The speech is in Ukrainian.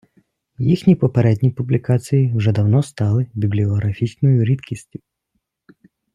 Їхні попередні публікації вже давно стали бібліографічною рідкістю.